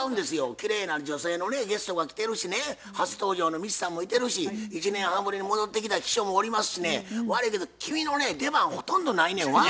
きれいな女性のねゲストが来てるしね初登場の未知さんもいてるし１年半ぶりに戻ってきた秘書もおりますしね悪いけど君のね出番ほとんどないねんわ。